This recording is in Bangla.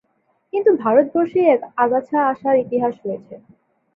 কিন্তু ভারতবর্ষে এই আগাছা আসার ইতিহাস রয়েছে।